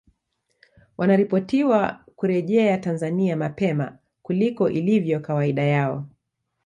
Wanaripotiwa kurejea Tanzania mapema kuliko ilivyo kawaida yao